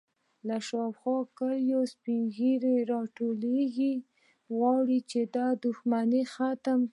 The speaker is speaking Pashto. _له شاوخوا کليو سپين ږيرې راټولېږي، غواړي چې دا دښمنې ختمه کړي.